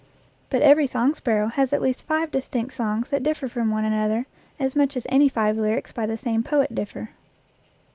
But every song sparrow has at least five distinct songs that differ from one another as much as any five lyrics by the same poet differ.